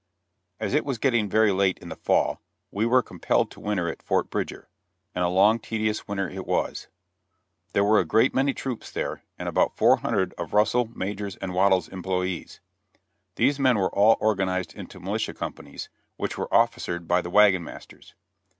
As it was getting very late in the fall, we were compelled to winter at Fort Bridger; and a long, tedious winter it was. There were a great many troops there, and about four hundred of Russell, Majors & Waddell's employees. These men were all organized into militia companies, which were officered by the wagon masters.